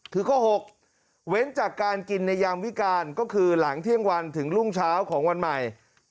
คือข้อ๖เว้นจากการกินในยามวิการก็คือหลังเที่ยงวันถึงรุ่งเช้าของวันใหม่